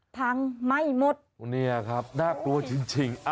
ทางไม่หมดโอ้เนี่ยครับน่ากลัวจริง